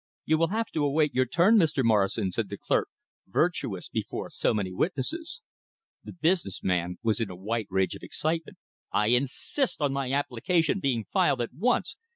"You will have to await your turn, Mr. Morrison," said the clerk, virtuous before so many witnesses. The business man was in a white rage of excitement. "I insist on my application being filed at once!"